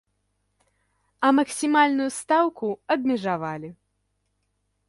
А максімальную стаўку абмежавалі.